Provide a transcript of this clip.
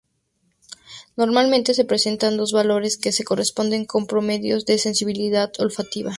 Normalmente se presentan dos valores que se corresponden con promedios de sensibilidad olfativa.